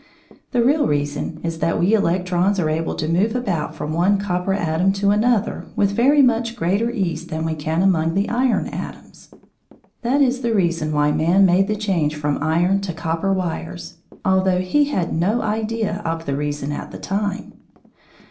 The real reason is that we electrons are able to move about from one copper atom to another with very much greater ease than we can among the iron atoms. That is the reason why man made the change from iron to copper wires, although he had no idea of the reason at the time.